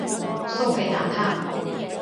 酥皮蛋撻